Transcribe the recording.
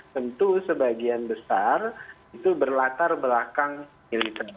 tentu sebagian besar itu berlatar belakang militer